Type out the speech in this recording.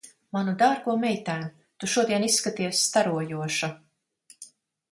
Manu dārgo meitēn, tu šodien izskaties starojoša.